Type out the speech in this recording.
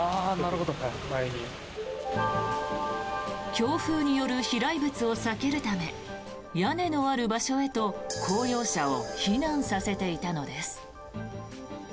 強風による飛来物を避けるため屋根のある場所へと公用車を避難させていたのです。